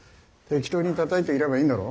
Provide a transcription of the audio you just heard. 適当にたたいていればいいんだろ。